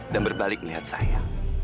dan berbalik melihat saya